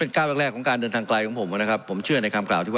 เพราะมันก็มีเท่านี้นะเพราะมันก็มีเท่านี้นะ